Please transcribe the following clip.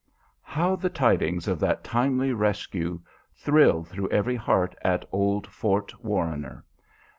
How the tidings of that timely rescue thrill through every heart at old Fort Warrener!